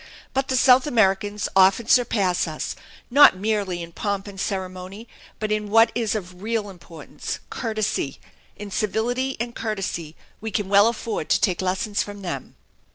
But the South Americans often surpass us, not merely in pomp and ceremony but in what is of real importance, courtesy; in civility and courtesy we can well afford to take lessons from them.